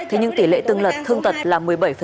thế nhưng tỷ lệ tương lật thương tật là một mươi bảy